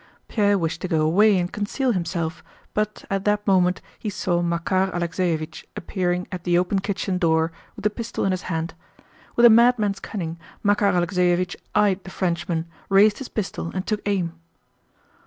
Pierre wished to go away and conceal himself, but at that moment he saw Makár Alexéevich appearing at the open kitchen door with the pistol in his hand. With a madman's cunning, Makár Alexéevich eyed the Frenchman, raised his pistol, and took aim.